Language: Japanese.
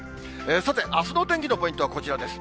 さてあすのお天気のポイントはこちらです。